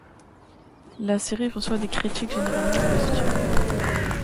La série reçoit des critiques généralement positives.